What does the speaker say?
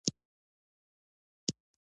بادام د افغانستان یو ډېر لوی او مهم طبعي ثروت دی.